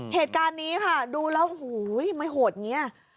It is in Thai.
เหตุการณ์นี้ค่ะดูแล้วโอ้โหไม่โหดเงี้ย